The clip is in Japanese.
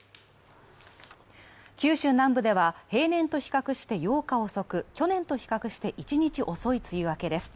九州南部では平年と比較して８日遅く、去年と比較して１日遅い梅雨明けです。